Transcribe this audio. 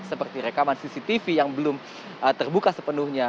seperti rekaman cctv yang belum terbuka sepenuhnya